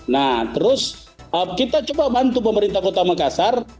nah terus kita coba bantu pemerintah kota makassar